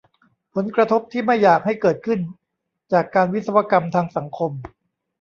ผลกระทบที่ไม่อยากให้เกิดขึ้น จากการวิศวกรรมทางสังคม